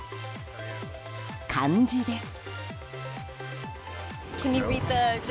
漢字です。